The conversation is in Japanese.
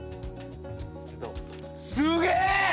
すげえ！